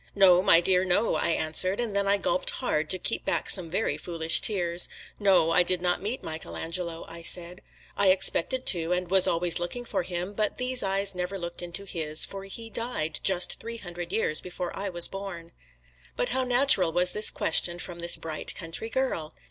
"No, my dear, no," I answered, and then I gulped hard to keep back some very foolish tears. "No, I did not meet Michelangelo," I said, "I expected to, and was always looking for him; but these eyes never looked into his, for he died just three hundred years before I was born." But how natural was this question from this bright, country girl!